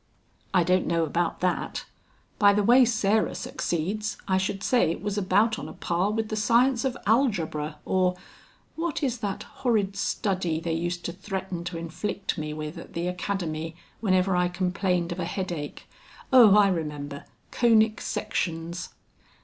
"I don't know about that; by the way Sarah succeeds I should say it was about on a par with the science of algebra or what is that horrid study they used to threaten to inflict me with at the academy whenever I complained of a headache? Oh I remember conic sections."